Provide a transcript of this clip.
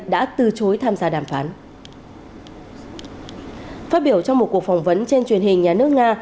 đã từ chối tham gia đàm phán phát biểu trong một cuộc phỏng vấn trên truyền hình nhà nước nga